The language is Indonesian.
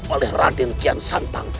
oleh raden kian santang